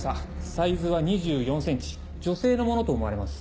サイズは２４ｃｍ女性のものと思われます。